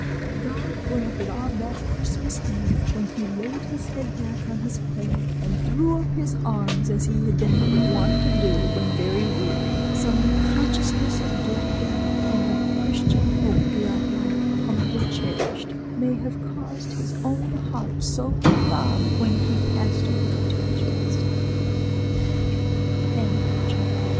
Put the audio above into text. God grant that on that Christmas Eve, when he laid his head back on his pillow and threw up his arms as he had been wont to do when very weary, some consciousness of duty done, and of Christian hope throughout life humbly cherished, may have caused his own heart so to throb when he passed away to his rest." CHAPTER IV.